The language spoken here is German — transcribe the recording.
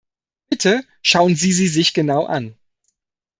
Bitte schauen Sie sie sich genau an.